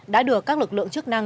đã được các lực lượng chức năng